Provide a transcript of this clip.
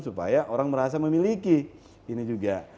supaya orang merasa memiliki ini juga